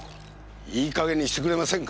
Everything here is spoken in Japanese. いい加減にしてくれませんか？